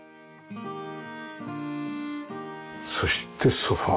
そしてソファ。